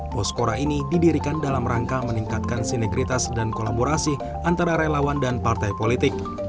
poskora ini didirikan dalam rangka meningkatkan sinergitas dan kolaborasi antara relawan dan partai politik